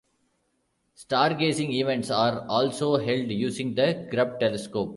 Stargazing events are also held using the Grubb telescope.